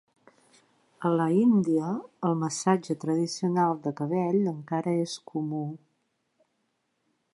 A la India, el massatge tradicional de cabell encara és comú.